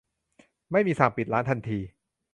ไม่มีสั่งปิดร้านทันที